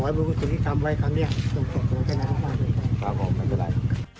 ขอให้บุคลุทธิ์ที่ทำไว้ครั้งนี้ต้องปลอดภัยให้นานมากพระบอบบันเจ้าลาย